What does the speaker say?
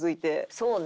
そうね。